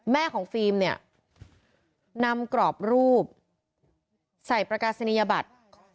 แม่ของฟิล์มเนี่ยนำกรอบรูปใส่ประกาศนียบัตร